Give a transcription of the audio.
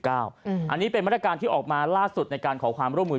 อันนี้เป็นมาตรการที่ออกมาล่าสุดในการขอความร่วมมือ